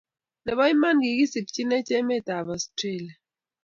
Nebo Iman, kigisikchinin emetab Australia